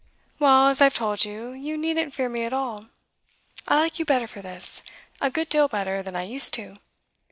'Well, as I've told you, you needn't fear me at all. I like you better for this a good deal better than I used to.